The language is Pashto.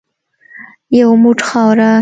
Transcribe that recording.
یو موټ خاوره .